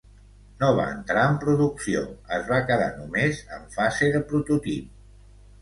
No va entrar en producció, es va quedar només en fase de prototip.